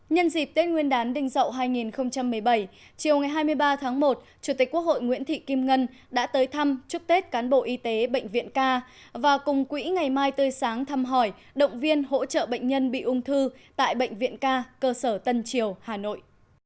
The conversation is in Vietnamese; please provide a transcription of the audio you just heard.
nhân dịp tết nguyên đán đình dậu hai nghìn một mươi bảy chiều ngày hai mươi ba tháng một chủ tịch quốc hội nguyễn thị kim ngân đã tới thăm chúc tết cán bộ y tế bệnh viện k và cùng quỹ ngày mai tươi sáng thăm hỏi động viên hỗ trợ bệnh nhân bị ung thư tại bệnh viện ca cơ sở tân triều hà nội